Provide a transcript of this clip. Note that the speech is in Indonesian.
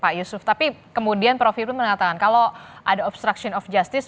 pak yusuf tapi kemudian prof hipnu mengatakan kalau ada obstruction of justice